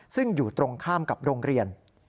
ซึ่งอยู่ตรงข้ามกับโรงเรียน